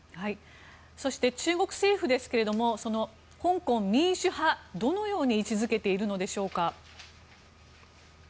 そして中国政府ですけれども香港民主派、どのように位置づけているのでしょうか。